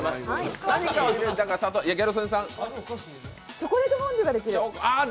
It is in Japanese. チョコレートフォンデュができる。